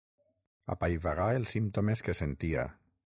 Apaivagà els símptomes que sentia.